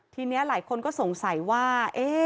ทีนี้หลายคนก็สงสัยว่า